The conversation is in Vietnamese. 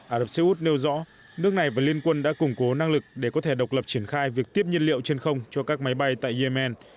ả rập xê út nêu rõ nước này và liên quân đã củng cố năng lực để có thể độc lập triển khai việc tiếp nhiên liệu trên không cho các máy bay tại yemen